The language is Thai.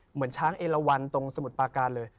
เหมือนช้างเอลวันตรงสมุทรปาการเลย